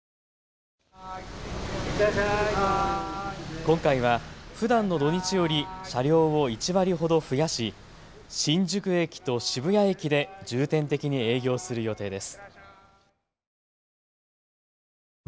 今回はふだんの土日より車両を１割ほど増やし新宿駅と渋谷駅で重点的に営業する予定です。